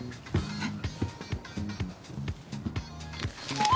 えっ！